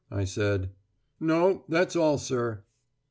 I said. "No, that's all, sir."